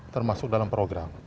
termasuk dalam program